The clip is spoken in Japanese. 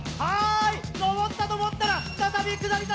上ったと思ったら再び下り坂。